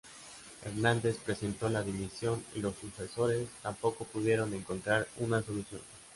Hernández presentó la dimisión, y los sucesores tampoco pudieron encontrar una solución.